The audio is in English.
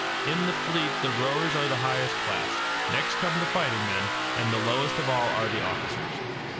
In the fleet the rowers are the highest class; next come the fighting men; and lowest of all are the officers.